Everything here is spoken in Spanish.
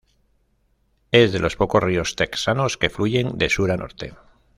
Es de los pocos ríos texanos que fluyen de sur a norte.